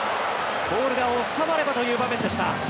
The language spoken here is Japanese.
ボールが収まればという場面でした。